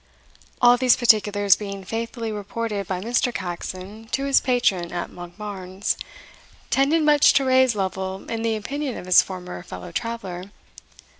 All these particulars being faithfully reported by Mr. Caxon to his patron at Monkbarns, tended much to raise Lovel in the opinion of his former fellow traveller.